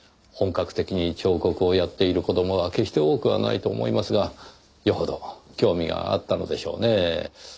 本格的に彫刻をやっている子供は決して多くはないと思いますがよほど興味があったのでしょうねぇ。